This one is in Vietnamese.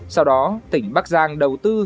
sau đó tỉnh bắc giang đầu tư